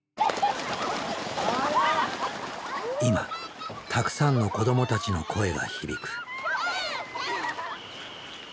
今たくさんの子どもたちの声が響く。